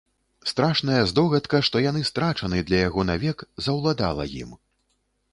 Страшная здогадка, што яны страчаны для яго навек, заўладала ім.